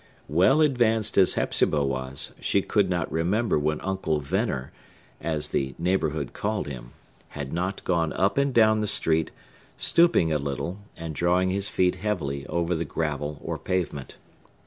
Well advanced as Hepzibah was, she could not remember when Uncle Venner, as the neighborhood called him, had not gone up and down the street, stooping a little and drawing his feet heavily over the gravel or pavement.